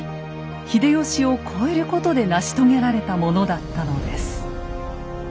秀吉を超えることで成し遂げられたものだったのです。